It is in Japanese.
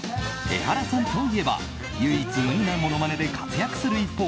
エハラさんといえば唯一無二なものまねで活躍する一方